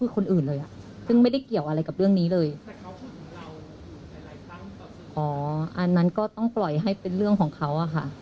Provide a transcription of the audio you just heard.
ก็เชิญให้เขานึกได้